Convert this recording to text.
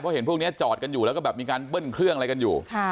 เพราะเห็นพวกนี้จอดกันอยู่แล้วก็แบบมีการเบิ้ลเครื่องอะไรกันอยู่